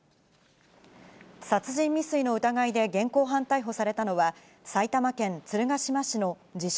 殺人未遂の疑いで現行犯逮捕されたのは、埼玉県鶴ヶ島市の自称